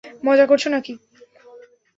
মজা করছো নাকি!